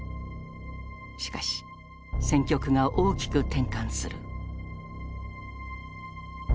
しかし戦局が大きく転換する。